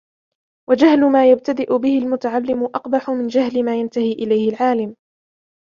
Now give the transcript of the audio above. وَجَهْلُ مَا يَبْتَدِئُ بِهِ الْمُتَعَلِّمُ أَقْبَحُ مِنْ جَهْلِ مَا يَنْتَهِي إلَيْهِ الْعَالِمُ